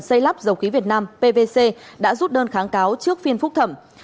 xây lắp dầu khí việt nam pvc đã rút đơn kháng cáo trước phiên phúc thẩm